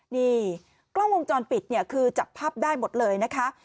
นี่กล้องวงจรปิดเนี่ยคือจับภาพได้หมดเลยนะคะ